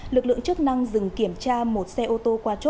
lực lượng chức năng dừng kiểm tra một xe ô tô quanh